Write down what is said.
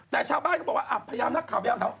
แต่ชาวบ้านก็บอกว่าพยายามนักข่าวพยายามถาม